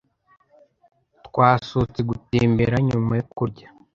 Twasohotse gutembera nyuma yo kurya.